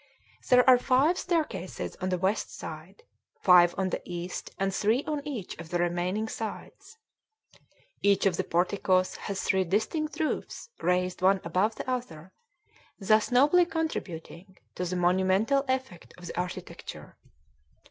There are five staircases on the west side, five on the east, and three on each of the remaining sides. Each of the porticos has three distinct roofs raised one above the other, thus nobly contributing to the monumental effect of the architecture.